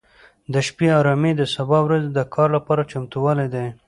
د شپې ارامي د سبا ورځې د کار لپاره چمتووالی دی.